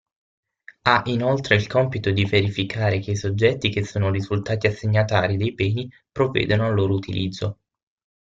Ha inoltre il compito di verificare che i soggetti che sono risultati assegnatari dei beni, provvedano al loro utilizzo.